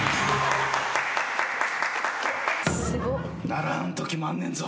鳴らんときもあんねんぞ。